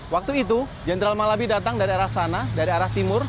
waktu itu jenderal malabi datang dari arah sana dari arah timur